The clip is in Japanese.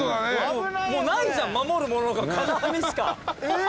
・もうないじゃん守るものが金網しか。